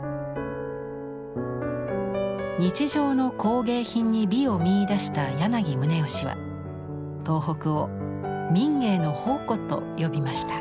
日常の工芸品に美を見いだした柳宗悦は東北を民芸の宝庫と呼びました。